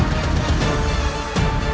tidak ada pampfase